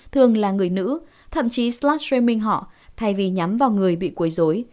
thường là người nữ thậm chí slut streaming họ thay vì nhắm vào người bị quấy dối